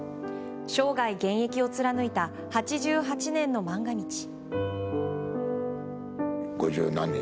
生涯現役を貫いた８８年の漫画道。